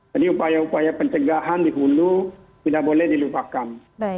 jadi upaya upaya pencegahan di hulu tidak boleh dilupakan